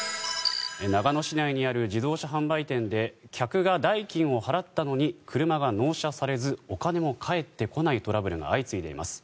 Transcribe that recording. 長野市内にある自動車販売店で客が代金を払ったのに車が納車されずお金も返ってこないトラブルが相次いでいます。